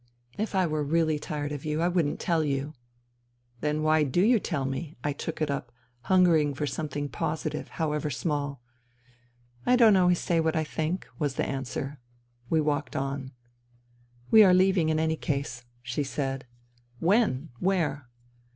"If I were really tired of you I wouldn't tell you." " Then why do you tell me ?" I took it up, hunger ing for something positive, however small. " I don't always say what I think," was the answer. We walked on. '* We are leaving in any case," she said. "When? Where?"